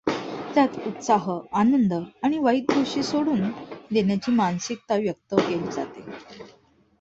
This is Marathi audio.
त्यांत उत्साह, आनंद, आणि वाईट गोष्टी सोडून देण्याची मानसिकता व्यक्त केली जाते.